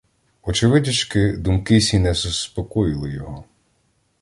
Очевидячки, думки сі не заспокоїли його.